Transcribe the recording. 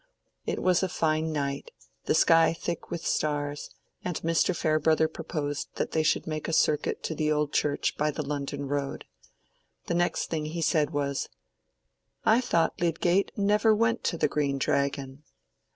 It was a fine night, the sky thick with stars, and Mr. Farebrother proposed that they should make a circuit to the old church by the London road. The next thing he said was— "I thought Lydgate never went to the Green Dragon?"